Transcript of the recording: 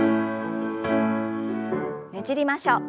ねじりましょう。